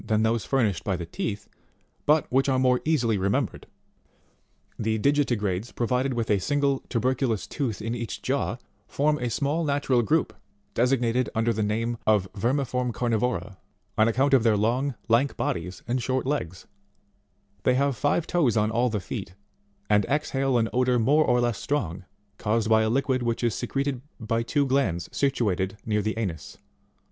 The Digitigrades provided with a single tuberculous tooth in each'jaw, form A SMALL NATURAL GROUP, designated under the name of Vermiform Carnivora, on account of their long, lank body, and short legs. They have five toes on all the feet, and exhale an odour more or less strong, caused by a liquid which is secreted by two glands situated near the anus.